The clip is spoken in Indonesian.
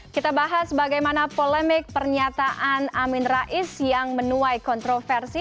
kita bahas bagaimana polemik pernyataan amin rais yang menuai kontroversi